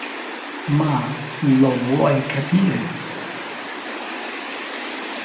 Ma lo vuoi capire?